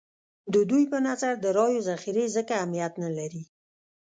د دوی په نظر د رایو ذخیرې ځکه اهمیت نه لري.